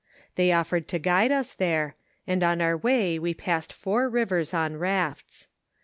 They offered to guide us there, and on our way we passed four rivers on rafts.